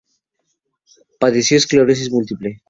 Padeció esclerosis múltiple.